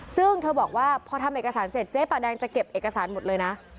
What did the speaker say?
ซึ่งเธอบอกว่าพอทำเอกสารเสร็จเจ๊ป่าแดงจะเก็บเอกสารหมดเลยนะ